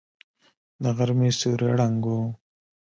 د غرمې سيوری ړنګ و.